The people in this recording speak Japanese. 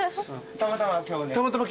たまたま今日来た？